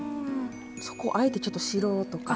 そこをあえてちょっと白とか？